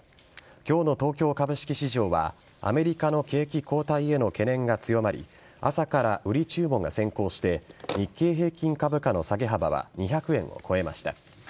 今日の東京株式市場はアメリカの景気後退への懸念が強まり朝から売り注文が先行して日経平均株価の下げ幅は２００円を超えました。